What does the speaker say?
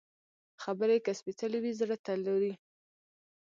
خبرې که سپېڅلې وي، زړه ته لوري